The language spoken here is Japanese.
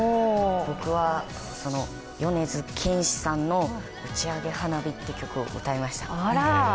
僕は米津玄師さんの「打ち上げ花火」という曲を歌いました。